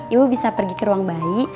ibu bisa pergi ke ruang bayi